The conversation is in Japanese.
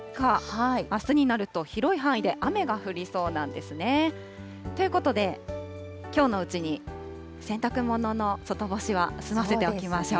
あすになると、広い範囲で雨が降りそうなんですね。ということで、きょうのうちに洗濯物の外干しは済ませておきましょう。